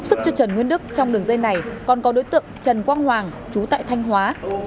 sức cho trần nguyên đức trong đường dây này còn có đối tượng trần quang hoàng chú tại thanh hóa